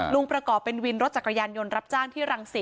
ลุงประกอบเป็นวินรถจักรยานยนต์รับจ้างที่รังสิต